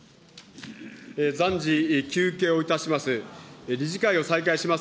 暫時、休憩をいたします。